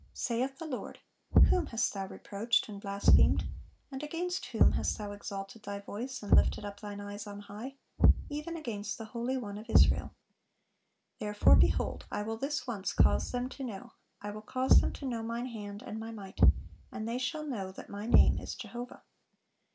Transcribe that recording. Saith the Lord, "Whom hast thou reproached and blasphemed? and against whom hast thou exalted thy voice, and lifted up thine eyes on high? even against the Holy One of Israel."(423) "Therefore, behold, I will this once cause them to know, I will cause them to know Mine hand and My might; and they shall know that My name is Jehovah."